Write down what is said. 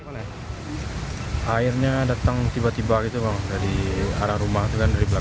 terjangan lahar dingin terjadi secara tiba tiba